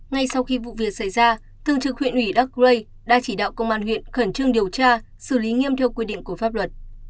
ngay sau khi vụ việc xảy ra thường trực huyện ủy đắk rây đã chỉ đạo công an huyện khẩn trương điều tra xử lý nghiêm theo quy định của pháp luật